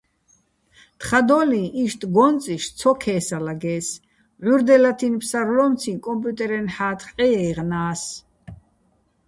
თხადო́ლიჼ იშტ გო́ნწიშ ცო ქე́სალაგე́ს, ჺურდელათინო̆ ფსარლო́მციჼ კომპიუტერენ ჰ̦ათხ ჺეჲაჲღნა́ს.